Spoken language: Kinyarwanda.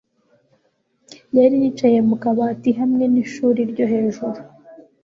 Yari yicaye mu kabati hamwe n’ishuri ryo hejuru.